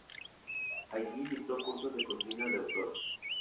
Allí dictó cursos de cocina de autor.